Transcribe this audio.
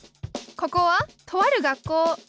ここはとある学校。